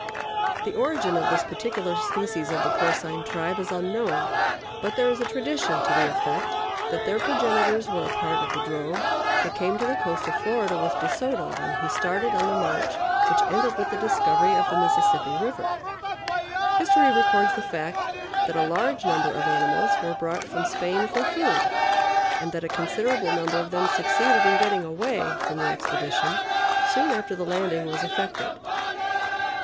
The origin of this particular species of the porcine tribe is unknown, but there is a tradition to the effect that their progenitors were a part of the drove that came to the coast of Florida with De Soto when he started on the march which ended with the discovery of the Mississippi River. History records the fact that a large number of animals were brought from Spain for food, and that a considerable number of them succeeded in getting away from the expedition soon after the landing was effected.